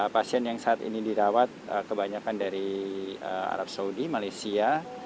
pasien yang saat ini dirawat kebanyakan dari arab saudi malaysia